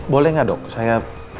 boleh gak dok saya